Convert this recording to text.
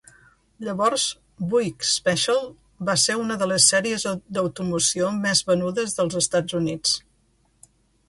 Llavors, Buick Special va ser una de les sèries d'automoció més venudes dels Estats Units.